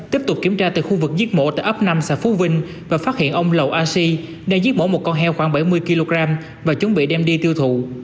tiếp tục kiểm tra tại khu vực giết mổ tại ấp năm xã phú vinh và phát hiện ông lầu a si đang giết mổ một con heo khoảng bảy mươi kg và chuẩn bị đem đi tiêu thụ